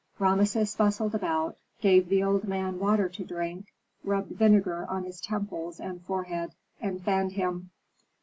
Rameses bustled about, gave the old man water to drink, rubbed vinegar on his temples and forehead, and fanned him.